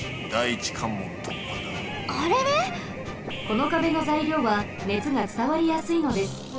この壁の材料は熱がつたわりやすいのです。